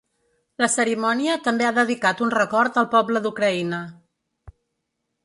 La cerimònia també ha dedicat un record al poble d’Ucraïna.